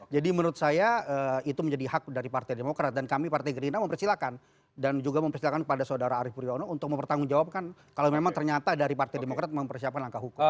jadi menurut saya itu menjadi hak dari partai demokrat dan kami partai gerindra mempersilahkan dan juga mempersilahkan kepada saudara arief furiono untuk mempertanggungjawabkan kalau memang ternyata dari partai demokrat mempersiapkan langkah hukum